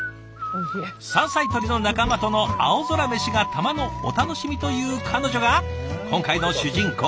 山菜採りの仲間との青空メシがたまのお楽しみという彼女が今回の主人公。